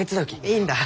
いいんだ！